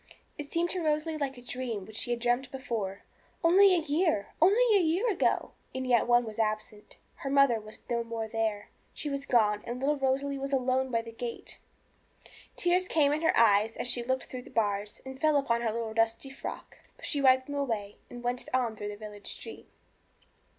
It seemed to Rosalie like a dream which she had dreamt before. Only a year only a year ago! And yet one was absent; her mother was no more there; she was gone and little Rosalie was alone by the gate! Tears came in her eyes as she looked through the bars, and fell upon her little dusty frock. But she wiped them away, and went on through the village street.